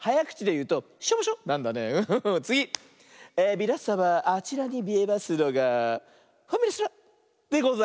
みなさまあちらにみえますのが「ファミレスラ」でございます。